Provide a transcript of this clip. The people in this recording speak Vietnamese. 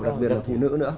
đặc biệt là phụ nữ nữa